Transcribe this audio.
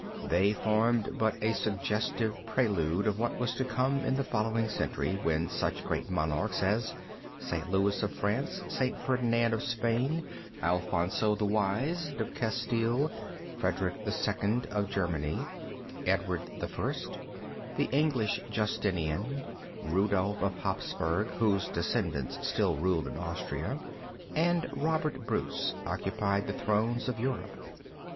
They formed but a suggestive prelude of what was to come in the following century, when such great monarchs as St. Louis of France, St. Ferdinand of Spain, Alfonso the Wise of Castile, Frederick II of Germany, Edward I, the English Justinian, Rudolph of Hapsburg, whose descendants still rule in Austria, and Robert Bruce, occupied the thrones of Europe.